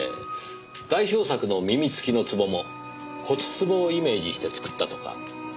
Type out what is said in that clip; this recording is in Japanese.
代表作の耳付きの壺も骨壺をイメージして作ったとか。